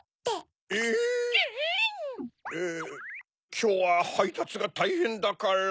きょうははいたつがたいへんだから。